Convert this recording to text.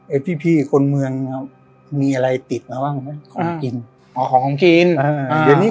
ไอ้พี่พี่คนเมืองนะมีอะไรติดมาว่านี้